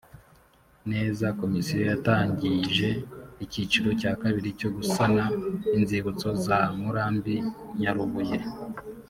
neza komisiyo yatangije icyiciro cya kabiri cyo gusana inzibutso za murambi nyarubuye